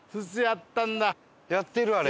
やってるあれ。